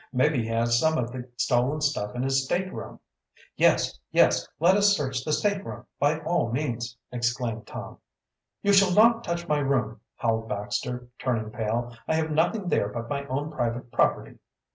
"Maybe he has some of the stolen stuff in his stateroom." "Yes, yes, let us search the stateroom: by all means!" exclaimed Tom. "You shall not touch my room!" howled Baxter, turning pale. "I have nothing there but my own private property."